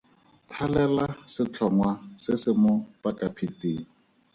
Thalela setlhongwa se se mo pakapheting.